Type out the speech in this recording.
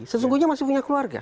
sesungguhnya masih punya keluarga